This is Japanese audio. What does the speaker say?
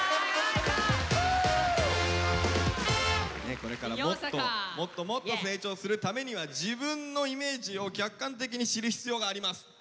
これからもっともっともっと成長するためには自分のイメージを客観的に知る必要があります。